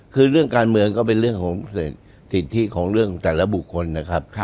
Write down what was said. คือเรื่องการเมืองก็เป็นเรื่องของสิทธิของเรื่องแต่ละบุคคลนะครับ